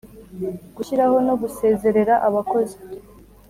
Gushyiraho no gusezerera abakozi